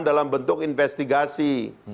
dalam bentuk investigasi